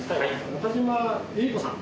中島由依子さん。